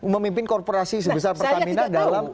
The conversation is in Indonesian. memimpin korporasi sebesar pertamina